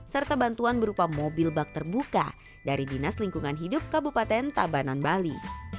serta bantuan berupa mobil bak terbuka dari dinas lingkungan hidup kabupaten tabanan bali